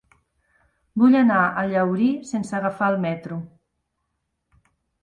Vull anar a Llaurí sense agafar el metro.